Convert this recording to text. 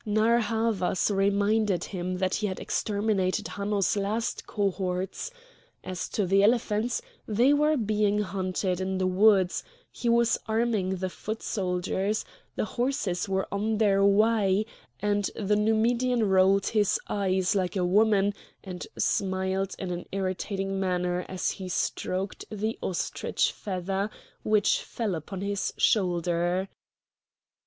Narr' Havas reminded him that he had exterminated Hanno's last cohorts;—as to the elephants, they were being hunted in the woods, he was arming the foot soldiers, the horses were on their way; and the Numidian rolled his eyes like a woman and smiled in an irritating manner as he stroked the ostrich feather which fell upon his shoulder.